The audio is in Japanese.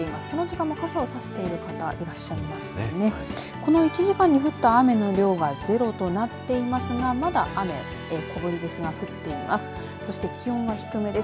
この１時間に降った雨の量がゼロとなっていますが、まだ雨小ぶりですが降っています。